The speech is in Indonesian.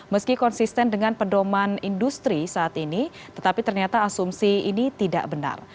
meski konsisten dengan pedoman industri saat ini tetapi ternyata asumsi ini tidak benar